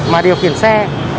mà điều khiển xe